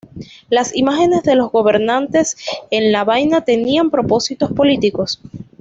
Las imágenes de los gobernantes en la vaina tenían propósitos políticos.